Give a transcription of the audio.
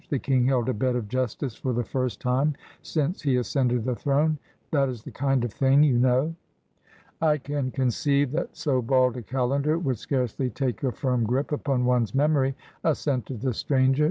The king held a Bed of Justice for the first time since he ascended the throne. That is the kind of thing, you know.' 'lean conceive that so li.dd u calendar would scarcely tnke a firm grip upon one's memory,' as.seuted the stranger.